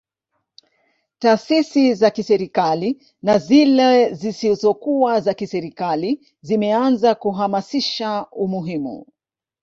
Taasisi za kiserikali na zile zisizokuwa za kiserikali zimeanza kuhamasisha umuhimu